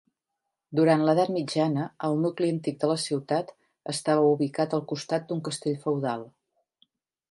Durant l'edat mitjana, el nucli antic de la ciutat estava ubicat al costat d'un castell feudal.